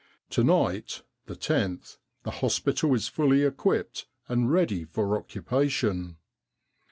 To night, the loth, the hospital is fully equipped and ready for occupation.